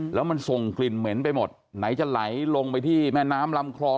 แล้วมันส่งกลิ่นเหม็นไปหมดไหนจะไหลลงไปที่แม่น้ำลำคลอง